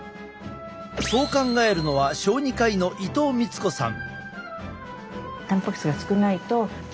そう考えるのは小児科医の伊藤明子さん。